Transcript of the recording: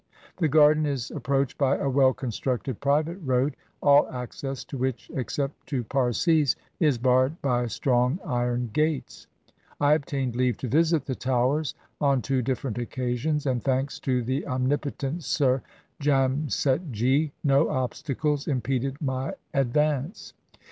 The garden is approached by a well constructed private road, aU access to which, except to Parsis, is barred by strong iron gates. I obtained leave to visit the Towers on two different occasions, and thanks to the 235 INDIA omnipotent Sir Jamsetjee, no obstacles impeded my advance.